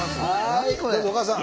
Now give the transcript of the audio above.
はいどうぞおかあさん。